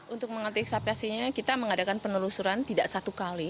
untuk mengaktifkan eksapiasinya kita mengadakan penelusuran tidak satu kali